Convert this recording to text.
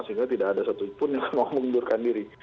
sehingga tidak ada satupun yang mau mengundurkan diri